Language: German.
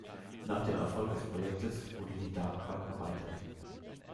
Nach dem Erfolg des Projektes wurde die Datenbank erweitert.